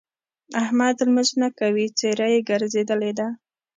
احمد لمونځ نه کوي؛ څېره يې ګرځېدلې ده.